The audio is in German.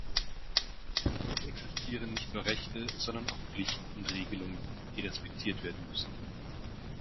Es existieren nicht nur Rechte, sondern auch Pflichten und Regelungen, die respektiert werden müssen.